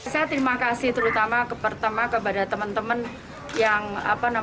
saya terima kasih terutama kepada teman teman